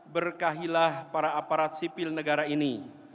berkahilah para aparat sipil negara ini